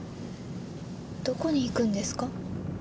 どこに行くんですか？